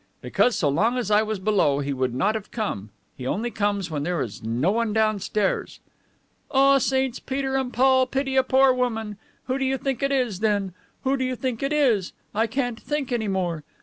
"Because so long as I was below he would not have come. He only comes when there is no one downstairs." "Ah, Saints Peter and Paul pity a poor woman. Who do you think it is, then? Who do you think it is? I can't think any more.